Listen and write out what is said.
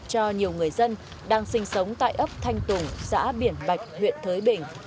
cho nhiều người dân đang sinh sống tại ấp thanh tùng xã biển bạch huyện thới bình